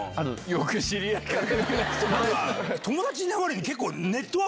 よく知り合いから。